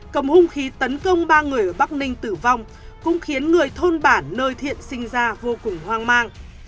cầm hung khí tấn công ba người ở bắc ninh tử vong cũng khiến người thôn bản nơi thiện sinh ra vô cùng hoang mang